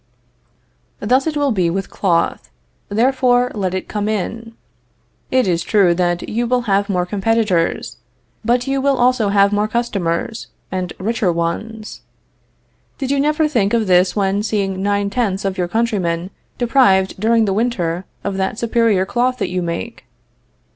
Thus will it be with cloth; therefore let it come in. It is true that you will have more competitors, but you will also have more customers, and richer ones. Did you never think of this when seeing nine tenths of your countrymen deprived during the winter of that superior cloth that you make?